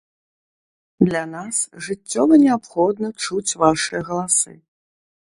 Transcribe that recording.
Для нас жыццёва неабходна чуць вашыя галасы!